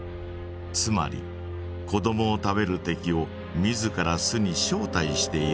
つまり子どもを食べる敵を自ら巣に招待しているのです。